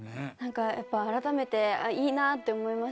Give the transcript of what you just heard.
やっぱあらためていいなって思いましたし